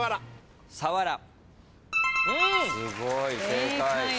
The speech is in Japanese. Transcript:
すごい正解。